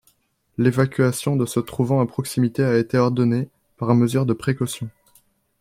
L'évacuation de se trouvant à proximité a été ordonnée, par mesure de précaution.